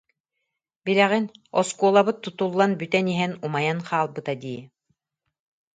Билэҕин, оскуолабыт тутуллан бүтэн иһэн умайан хаалбыта дии